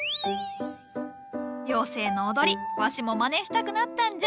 妖精の踊りわしもまねしたくなったんじゃ。